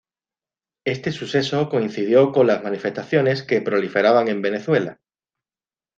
Este suceso coincidió con las manifestaciones que proliferaban en Venezuela.